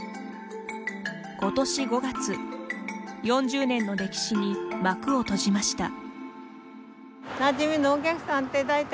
今年５月４０年の歴史に幕を閉じました。